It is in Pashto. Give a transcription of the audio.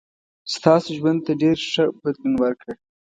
ستاسو ژوند ته ډېر ښه بدلون ورکړ.